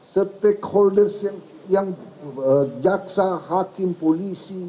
stakeholders yang jaksa hakim polisi